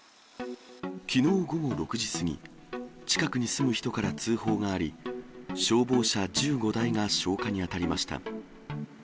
きのう午後６時過ぎ、近くに住む人から通報があり、消防車１５台が消火に当たりました。